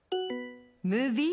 ムービー？